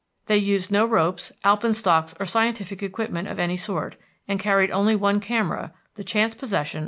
They used no ropes, alpenstocks, or scientific equipment of any sort, and carried only one camera, the chance possession of McGonagall.